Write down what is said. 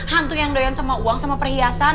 hantu yang doyan sama uang sama perhiasan